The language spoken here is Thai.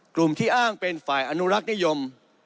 กลุ่มที่อ้างเป็นฝ่ายอนุรักษ์นิยม